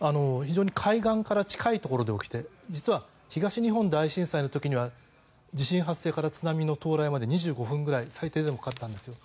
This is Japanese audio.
非常に海岸から近いところで起きて実は東日本大震災の時には地震発生から津波の到来まで２５分くらい最低でもかかったんです。